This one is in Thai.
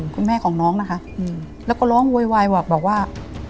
คุณแม่ของน้องนะคะแล้วก็ร้องโวยวายบอกบอกว่า